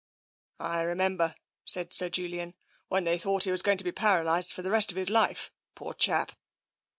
" I remember," said Sir Julian, " when they thought he was going to be paralysed for the rest of his life, poor chap."